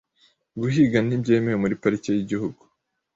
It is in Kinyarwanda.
Guhiga ntibyemewe muri parike yigihugu .